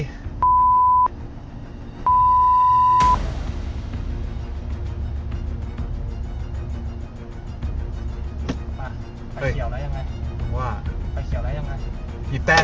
ไฟเขียวแล้วยังไงไฟเขียวแล้วยังไงไอ้แต้น